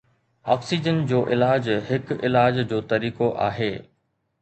oxygen جو علاج هڪ علاج جو طريقو آهي